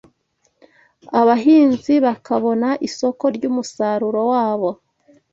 abahinzi bakabona isoko ry’umusaruro wabo